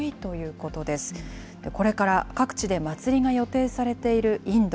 これから各地で祭りが予定されているインド。